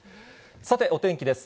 さて、お天気です。